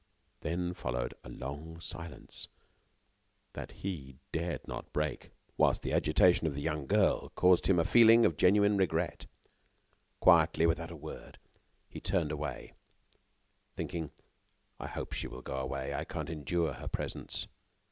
Then followed a long silence that he dared not break, whilst the agitation of the young girl caused him a feeling of genuine regret. Quietly, without a word, he turned away, thinking: "I hope she will go away. I can't endure her presence."